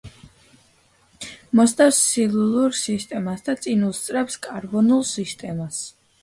მოსდევს სილურულ სისტემას და წინ უსწრებს კარბონულ სისტემას.